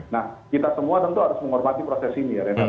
nah kita semua tentu harus menghormati proses ini ya renat